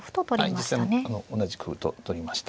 実戦同じく歩と取りました。